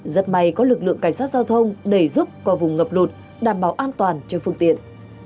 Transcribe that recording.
rất may có lực lượng cảnh sát giao thông đẩy giúp qua vùng ngập lụt đảm bảo an toàn cho phương tiện